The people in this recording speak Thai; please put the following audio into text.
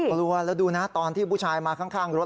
กลัวแล้วดูนะตอนที่ผู้ชายมาข้างรถ